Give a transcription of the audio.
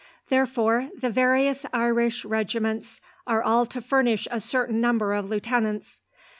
Therefore, the various Irish regiments are all to furnish a certain number of lieutenants.